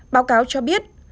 báo cáo cho biết